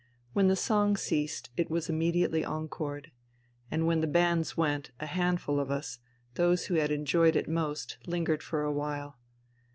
When the song ceased it was immediately encored. And when the bands went, a handful of us, those who had enjoyed it most, Hngered for a while.